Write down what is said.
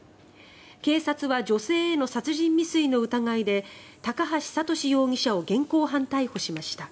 警察は女性への殺人未遂の疑いで高橋智容疑者を現行犯逮捕しました。